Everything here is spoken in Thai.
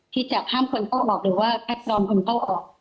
ที่จะห้ามคนเข้าออกหรือว่าแพลตรองคนเข้าออก